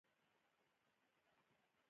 د جوارو په هکله نور معلومات.